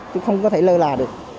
chứ không có thể lơ là được